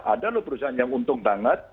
ada loh perusahaan yang untung banget